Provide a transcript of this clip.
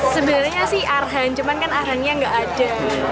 sebenarnya sih arhan cuman kan arhannya nggak ada